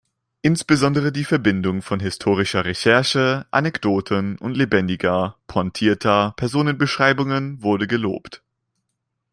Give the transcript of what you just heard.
Insbesondere die Verbindung von historischer Recherche, Anekdoten und lebendiger, pointierter Personenbeschreibung wurde gelobt.